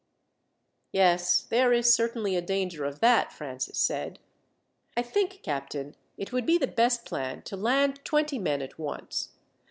"Yes, there is certainly a danger of that," Francis said. "I think, captain, it would be the best plan to land twenty men at once.